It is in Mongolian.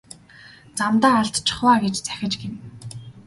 Замдаа алдчихав аа гэж захиж гэнэ.